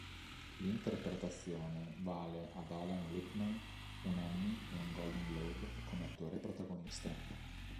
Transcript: L'interpretazione vale ad Alan Rickman un Emmy e un Golden Globe come attore protagonista.